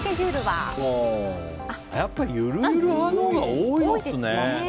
やっぱりゆるゆる派のほうが多いですね。